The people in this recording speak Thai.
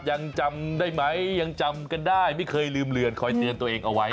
ยังจำได้ไหมยังจำกันได้ไม่เคยลืมเรือนคอยเตือนตัวเองเอาไว้